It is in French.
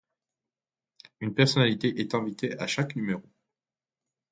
Une personnalité est invité à chaque numéro.